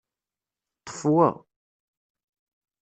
Ṭṭef wa.